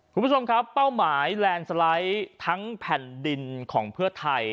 คุณผู้ชมครับเป้าหมายแลนด์สไลด์ทั้งแผ่นดินของเพื่อไทย